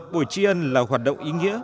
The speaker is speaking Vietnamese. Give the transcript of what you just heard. buổi tri ân là hoạt động ý nghĩa